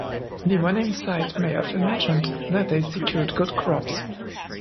The winning side may have imagined that they secured good crops.